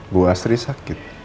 bu astri sakit